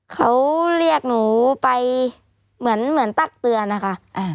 เขาเรียกหนูไปเหมือนตักเตือนอะค่ะ